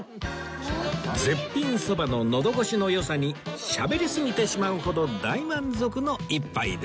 絶品蕎麦ののどごしの良さにしゃべりすぎてしまうほど大満足の一杯でした